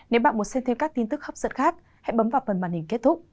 nếu bạn muốn xem thêm các tin tức hấp dẫn khác hãy bấm vào phần màn hình kết thúc